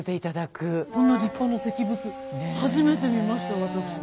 こんな立派な石仏初めて見ました私。